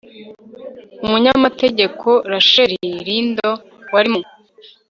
umunyamategeko rasheli lindon wari mu